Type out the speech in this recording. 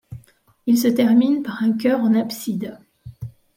Il se termine par un chœur en abside.